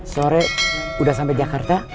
sore udah sampai jakarta